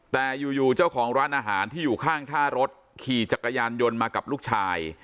แต่อยู่เจ้าของร้านอาหารที่อยู่ข้างท่ารถขี่จักรยานยนต์มากับลูกชาย